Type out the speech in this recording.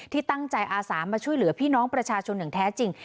ที่ตั้งใจอาสามาช่วยเหลือพี่น้องประชาชนอย่างแท้จริง